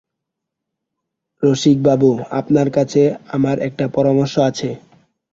রসিকবাবু, আপনার কাছে আমার একটা পরামর্শ আছে।